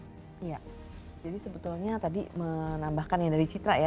iya jadi sebetulnya tadi menambahkan yang dari citra ya